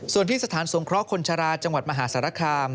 ส่วนที่สถานสงเคราะห์คนชะลาจังหวัดมหาสารคาม